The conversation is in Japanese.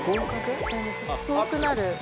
遠くなる。